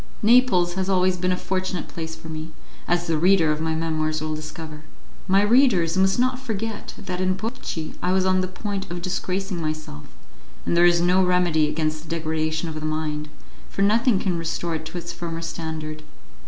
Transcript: Naples has always been a fortunate place for me, as the reader of my memoirs will discover. My readers must not forget that in Portici I was on the point of disgracing myself, and there is no remedy against the degradation of the mind, for nothing can restore it to its former standard.